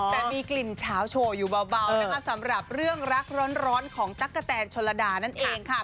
แต่มีกลิ่นเฉาโชว์อยู่เบานะคะสำหรับเรื่องรักร้อนของตั๊กกะแตนชนระดานั่นเองค่ะ